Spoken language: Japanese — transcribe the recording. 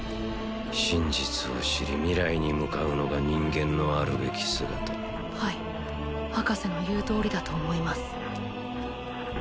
真実を知り未来に向かうのが人間のあるべき姿はい博士の言うとおりだと思います